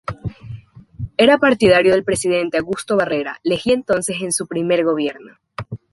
Era partidario del presidente Augusto B. Leguía, entonces en su primer gobierno.